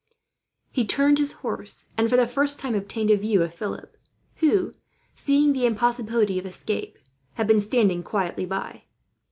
He turned his horse, and for the first time obtained a view of Philip; who, seeing the impossibility of escape, had been standing quietly by.